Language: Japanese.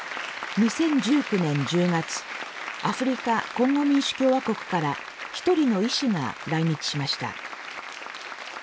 ２０１９年１０月アフリカ・コンゴ民主共和国から１人の医師が来日しました。